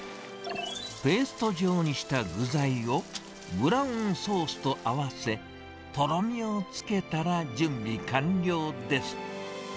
ペースト状にした具材を、ブラウンソースと合わせ、とろみをつけたら準備完了です。